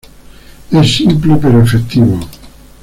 Es simple, pero efectivo".